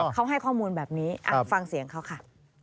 เขาให้ข้อมูลแบบนี้ฟังเสียงเขาค่ะ